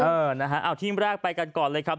เออนะฮะเอาทีมแรกไปกันก่อนเลยครับ